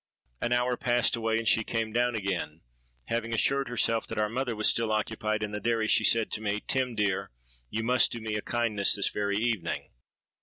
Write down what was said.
"An hour passed away, and she came down again. Having assured herself that our mother was still occupied in the dairy, she said to me, 'Tim dear, you must do me a kindness this very evening.'